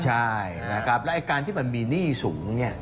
ใช่และการที่มันมีหนี้สูง